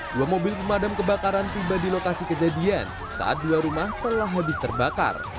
dua mobil pemadam kebakaran tiba di lokasi kejadian saat dua rumah telah habis terbakar